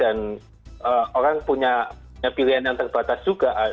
dan orang punya pilihan yang terbatas juga